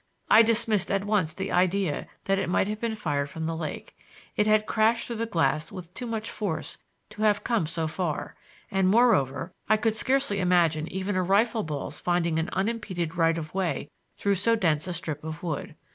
I dismissed at once the idea that it might have been fired from the lake; it had crashed through the glass with too much force to have come so far; and, moreover, I could hardly imagine even a rifle ball's finding an unimpeded right of way through so dense a strip of wood.